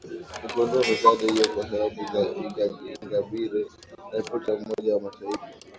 ni kuondoa misaada hiyo kwa sababu za ingabire na ripoti ya umoja mataifa